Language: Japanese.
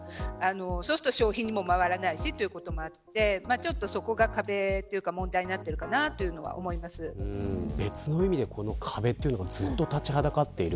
そうすると消費にも回らないしということもあってちょっとそこが壁というか問題になっているかなと別の意味で、この壁というのがずっと立ちはだかっている。